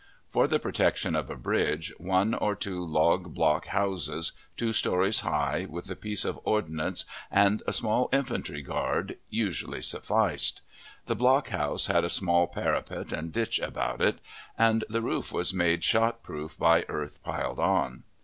For the protection of a bridge, one or two log block houses, two stories high, with a piece of ordnance and a small infantry guard, usually sufficed. The block house had a small parapet and ditch about it, and the roof was made shot proof by earth piled on.